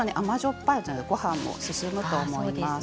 っぱいのでごはんも進むと思います。